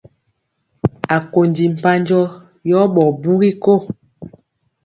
Akondi mpanjɔ yɔ ɓɔɔ bugi ko.